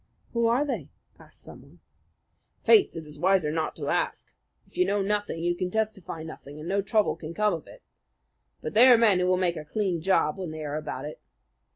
"Who are they?" asked someone. "Faith, it is wiser not to ask. If you know nothing, you can testify nothing, and no trouble can come of it. But they are men who will make a clean job when they are about it."